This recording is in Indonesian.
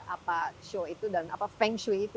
apa show itu dan apa feng shui itu